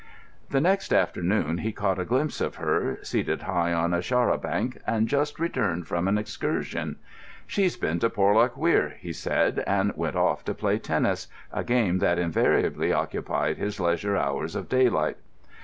The next afternoon he caught a glimpse of her, seated high on a char à banc, and just returned from an excursion. "She's been to Porlock Weir," he said, and then went off to play tennis, a game that invariably occupied his leisure hours of daylight.